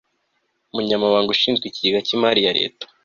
Umunyamabanga ushinzwe Ikigega cy imari ya Leta